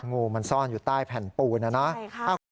งูมันซ่อนอยู่ใต้แผ่นปูเนอะนะอ้าวค่ะใช่ค่ะ